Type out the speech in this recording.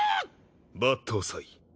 抜刀斎。